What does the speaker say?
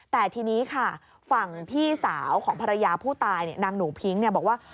แต่ทีนี้ค่ะฝั่งพี่สาวของภรรยาผู้ตายนางหนูพิ้งบอกว่า